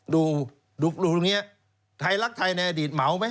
ดูตรงนี้ไทยรักไทยในอดีตเหมาไหม